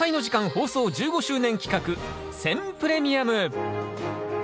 放送１５周年企画選プレミアム。